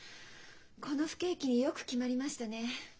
この不景気によく決まりましたねえ。